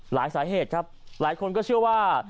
สาเหตุครับหลายคนก็เชื่อว่า